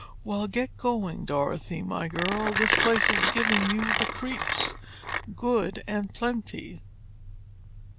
Well, get going, Dorothy, my girl—this place is giving you the creeps—good and plenty."